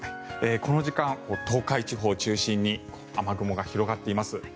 この時間、東海地方を中心に雨雲が広がっています。